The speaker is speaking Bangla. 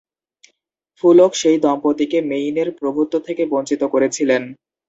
ফুলক সেই দম্পতিকে মেইনের প্রভুত্ব থেকে বঞ্চিত করেছিলেন।